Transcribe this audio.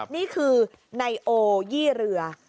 นี่คือไนโอยี่เรือ